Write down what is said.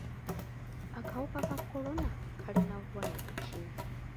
Akawuka ka kolona kalina bubonero ki?